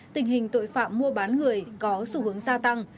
tình hình tội phạm mua bán người có xu hướng gia tăng